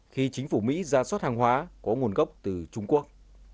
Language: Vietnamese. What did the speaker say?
khi chính phủ mỹ ra soát hàng hóa có nguồn gốc từ trung quốc